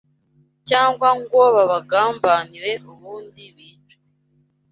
cyangwa ngo babagambanire ubundi bicwe